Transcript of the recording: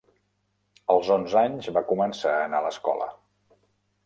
Als onze anys va començar a anar a l'escola.